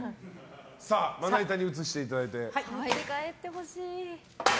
まな板に移していただいて。